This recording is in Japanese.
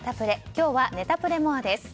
今日はネタプレＭＯＲＥです。